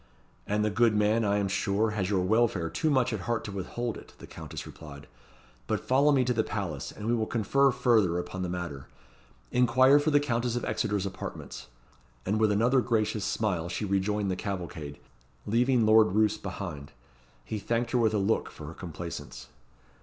"And the good man, I am sure, has your welfare too much at heart to withhold it," the Countess replied. "But follow me to the palace, and we will confer further upon the matter. Inquire for the Countess of Exeter's apartments." And with another gracious smile, she rejoined the cavalcade, leaving Lord Roos behind. He thanked her with a look for her complaisance.